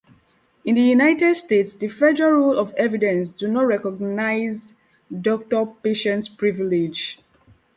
In the United States, the Federal Rules of Evidence do not recognize doctor-patient privilege.